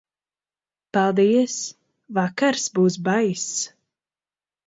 Paldies, vakars būs baiss.